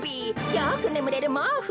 よくねむれるもうふ。